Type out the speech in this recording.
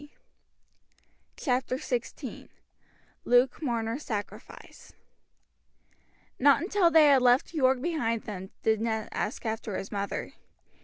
CHAPTER XVI: LUKE MARNER'S SACRIFICE Not until they had left York behind them did Ned ask after his mother.